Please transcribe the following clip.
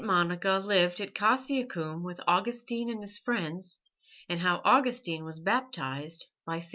MONICA LIVED AT CASSIACUM WITH AUGUSTINE AND HIS FRIENDS, AND HOW AUGUSTINE WAS BAPTIZED BY ST.